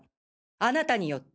あなたによって！